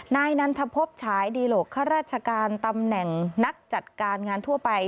นายนันทพบฉายดีหลกข้าราชการตำแหน่งนักจัดการงานทั่วไป